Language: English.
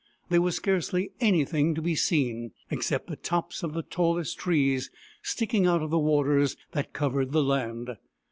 There was scarcely anything to be seen except the tops of the tallest trees sticking out of the waters that covered the land.